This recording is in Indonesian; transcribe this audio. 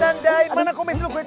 jangan cuma sedikit